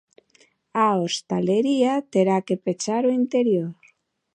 A hostalería terá que pechar o interior.